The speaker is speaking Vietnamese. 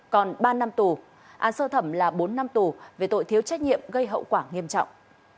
còn ba năm tù án sơ thẩm là bốn năm tù về tội thiếu trách nhiệm gây hậu quả nghiêm trọng